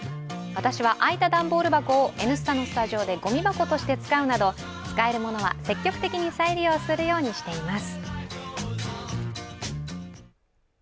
私は空いた段ボール箱を「Ｎスタ」のスタジオでごみ箱として使うなど使えるものは積極的に再利用するようにしています。